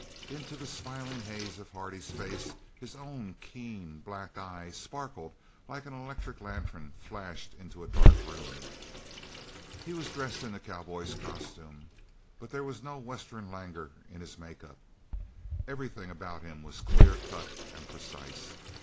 Into the smiling haze of Hardy's face his own keen black eye sparkled like an electric lantern flashed into a dark room. He was dressed in the cowboy's costume, but there was no Western languor in his make up. Everything about him was clear cut and precise.